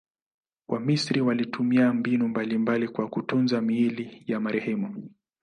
Wamisri walitumia mbinu mbalimbali kwa kutunza miili ya marehemu.